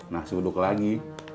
nasi uduk lagi